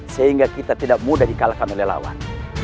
sehingga kita tidak mudah di kalahkan oleh lawan